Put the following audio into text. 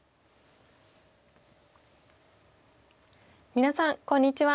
皆さんこんにちは。